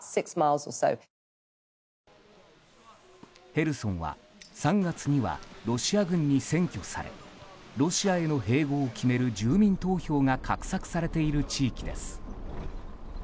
ヘルソンは３月にはロシア軍に占拠されロシアへの併合を決める住民投票が画策されている地域です。